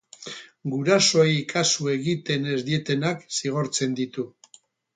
Gurasoei kasu egiten ez dietenak zigortzen ditu.